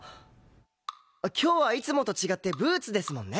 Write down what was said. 今日はいつもと違ってブーツですもんね。